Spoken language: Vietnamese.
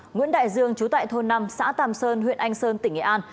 nguyễn đại dương trú tại thôn năm xã tàm sơn huyện anh sơn tỉnh nghệ an